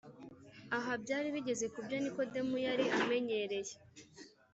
Aha byari bigeze ku byo Nikodemo yari amenyereye.